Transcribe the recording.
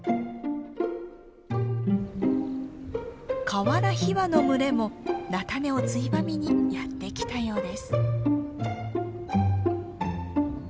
カワラヒワの群れも菜種をついばみにやって来たようです。